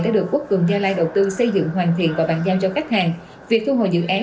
đã được quốc cường gia lai đầu tư xây dựng hoàn thiện và bản giao cho khách hàng việc thu hồi dự án